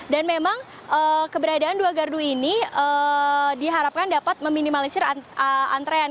dan memang keberadaan dua gardu ini diharapkan dapat meminimalisir antrean